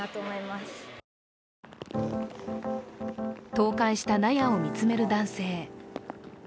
倒壊した納屋を見つめる男性。